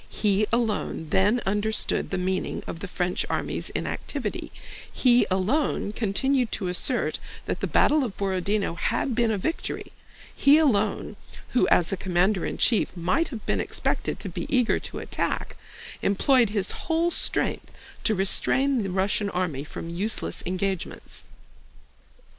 He alone then understood the meaning of the French army's inactivity, he alone continued to assert that the battle of Borodinó had been a victory, he alone—who as commander in chief might have been expected to be eager to attack—employed his whole strength to restrain the Russian army from useless engagements.